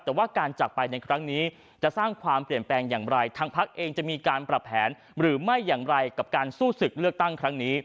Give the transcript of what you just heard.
แต่ว่าการจักรไปในครั้งนี้จะสร้างความเปลี่ยนแปลงอย่างไรทางพักเองจะมีการปรับแผนหรือไม่อย่างไรกับการสู้ศึกเลือกตั้งครั้งนี้